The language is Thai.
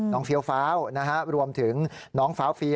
น้องเฟี้ยวนะฮะรวมถึงน้องเฟ้า